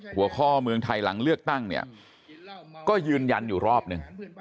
หัวข้อเมืองไทยหลังเลือกตั้งเนี่ยก็ยืนยันอยู่รอบนึง